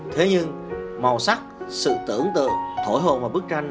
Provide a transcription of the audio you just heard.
thế nhưng màu sắc sự tưởng tượng thổi hồn vào bức tranh